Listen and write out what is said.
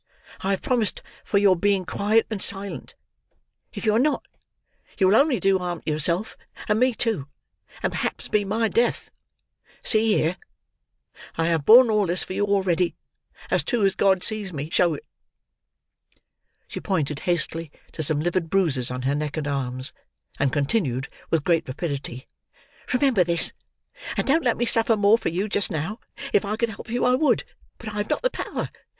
I have promised for your being quiet and silent; if you are not, you will only do harm to yourself and me too, and perhaps be my death. See here! I have borne all this for you already, as true as God sees me show it." She pointed, hastily, to some livid bruises on her neck and arms; and continued, with great rapidity: "Remember this! And don't let me suffer more for you, just now. If I could help you, I would; but I have not the power.